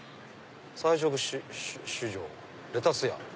「菜食酒場レタスや」。